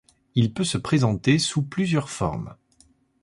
Il peut se présenter sous plusieurs formes.